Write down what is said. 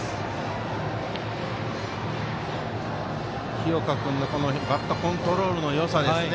日岡君のバットコントロールのよさですね。